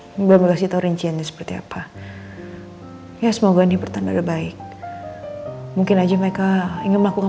hai bahwa storings jenis ada terima ya semoga ya bertanda baik mungkin aja mereka yang melakukan